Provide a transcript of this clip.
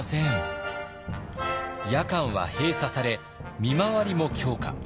夜間は閉鎖され見回りも強化。